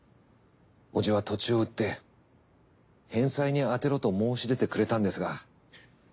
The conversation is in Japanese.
叔父は土地を売って返済に充てろと申し出てくれたんですが。